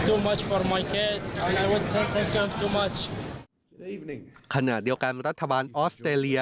ถึงเสมอขนาดเดียวกันรัฐบาลออสเตอร์เลีย